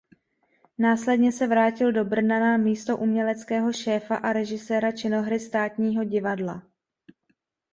Následně se vrátil do Brna na místo uměleckého šéfa a režiséra činohry Státního divadla.